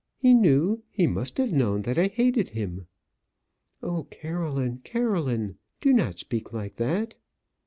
He knew, he must have known that I hated him." "Oh, Caroline, Caroline! do not speak like that."